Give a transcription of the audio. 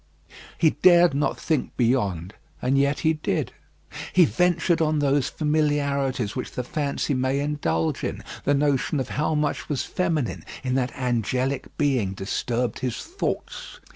He dared not think beyond, and yet he did. He ventured on those familiarities which the fancy may indulge in; the notion of how much was feminine in that angelic being disturbed his thoughts.